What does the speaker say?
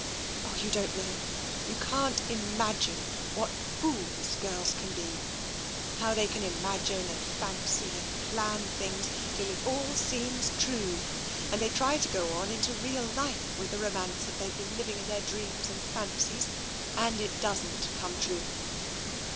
Oh, you don't know, you can't imagine, what fools girls can be. How they can imagine and fancy and plan things, till it all seems true, and they try to go on into real life TENSION 263 with the romance that they've been living in their dreams and fancies. And it doesn't come true.